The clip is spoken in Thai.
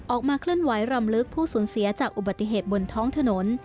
ออกมาเคลื่อนไหวรำลึกผู้สูญเสียจากอุบัติเหตุบนท้องถนน